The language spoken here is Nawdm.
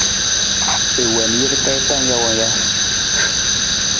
I wiin jir ka ji tang jawang ja?